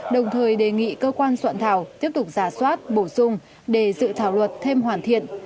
đồng thời đề nghị cơ quan soạn thảo tiếp tục giả soát bổ sung để dự thảo luật thêm hoàn thiện